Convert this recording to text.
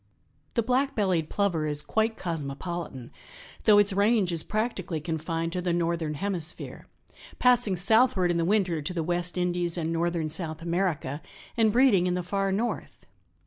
The Black bellied Plover is quite cosmopolitan, though its range is practically confined to the northern hemisphere, passing southward in the winter to the West Indies and northern South America and breeding in the far North.